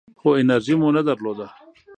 خو انرژي مو نه درلوده .